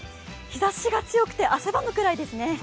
日ざしが強くて汗ばむくらいです。